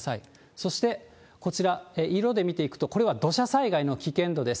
そして、こちら、色で見ていくと、これは土砂災害の危険度です。